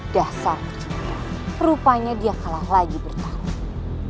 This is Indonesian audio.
dasar rupanya dia kalah lagi bertanggung